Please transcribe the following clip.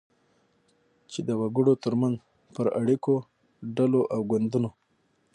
چی د وګړو ترمنځ پر اړیکو، ډلو او ګوندونو